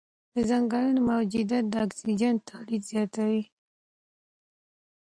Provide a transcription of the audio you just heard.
د ځنګلونو موجودیت د اکسیجن تولید زیاتوي.